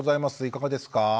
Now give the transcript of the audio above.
いかがですか？